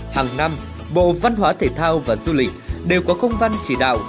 hàng năm bộ văn hóa thể thao và du lịch đều có công văn chỉ đạo